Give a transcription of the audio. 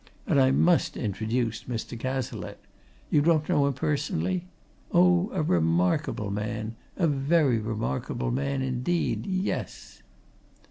And I must introduce Mr. Cazalette you don't know him personally? oh, a remarkable man, a very remarkable man indeed yes!"